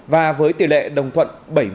và với tỷ lệ đồng thuận